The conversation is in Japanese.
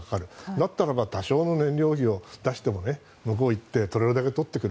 だったらば多少の燃料費を出しても向こうに行って取れるだけ取ってくる。